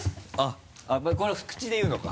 これ口で言うのか。